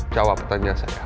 jawab pertanyaan saya